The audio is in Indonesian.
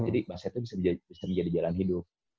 jadi basket itu bisa menjadi jalan hidup